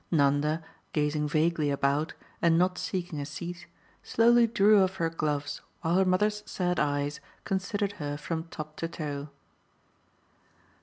Nanda, gazing vaguely about and not seeking a seat, slowly drew off her gloves while her mother's sad eyes considered her from top to toe.